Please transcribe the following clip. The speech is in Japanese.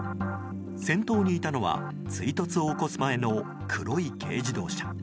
先頭にいたのは追突を起こす前の黒い軽自動車。